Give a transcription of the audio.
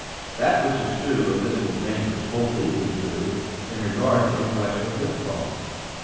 That which is true of physical dangers holds equally true in regard to intellectual difficulties.